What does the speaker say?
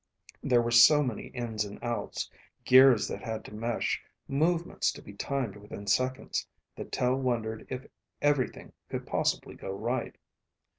There were so many ins and outs, gears that had to mesh, movements to be timed within seconds, that Tel wondered if everything could possibly go right.